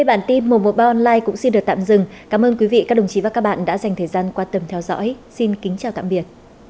hãy đăng ký kênh để ủng hộ kênh của mình nhé